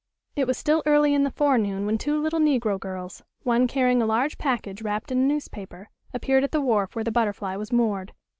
It was still early in the forenoon when two little negro girls, one carrying a large package wrapped in a newspaper, appeared at the wharf where the Butterfly was moored.